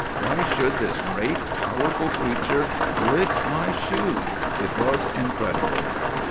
Why should this great, powerful creature lick my shoe? It was incredible.